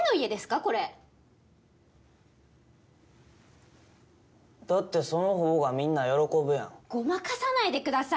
これだってそのほうがみんな喜ぶやんごまかさないでください